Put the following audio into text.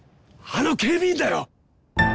あの警備員だよ！